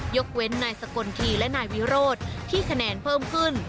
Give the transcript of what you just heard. ยกเว้นนายสกลทีและนายวิโรธที่คะแนนเพิ่มขึ้น